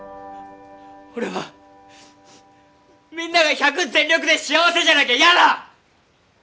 俺はみんなが１００全力で幸せじゃなきゃ嫌だ！